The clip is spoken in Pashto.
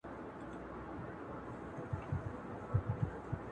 د بابا په باور دا نوی حالت